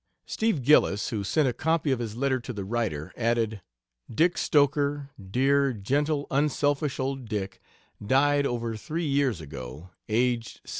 Steve Gillis, who sent a copy of his letter to the writer, added: "Dick Stoker dear, gentle unselfish old Dick died over three years ago, aged 78.